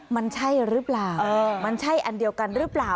มันใช่หรือเปล่ามันใช่อันเดียวกันหรือเปล่า